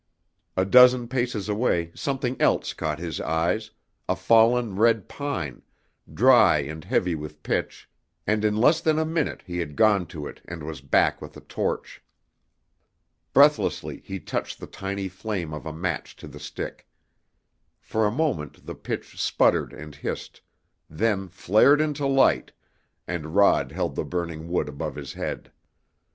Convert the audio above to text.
A dozen paces away something else caught his eyes, a fallen red pine, dry and heavy with pitch, and in less than a minute he had gone to it and was back with a torch. Breathlessly he touched the tiny flame of a match to the stick. For a moment the pitch sputtered and hissed, then flared into light, and Rod held the burning wood above his head.